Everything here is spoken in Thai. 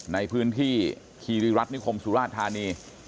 ในพื้นที่คีริรัฐนิคมสุราชธานี